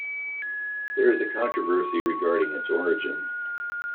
There is a controversy regarding its origin.